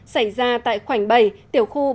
xảy ra tại khoảnh bảy tiểu khu ba trăm sáu mươi ba